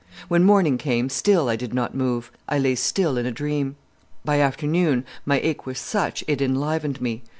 "When morning came still I did not move, I lay still in a dream. By afternoon my ache was such it enlivened me.